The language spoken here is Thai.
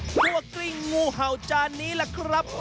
ทั่วกลิ้งงูเห่าจานนี้แหละครับ